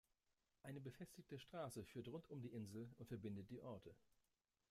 Eine befestigte Straße führt rund um die Insel und verbindet die Orte.